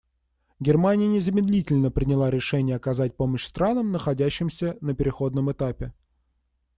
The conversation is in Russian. Германия незамедлительно приняла решение оказать помощь странам, находящимся на переходном этапе.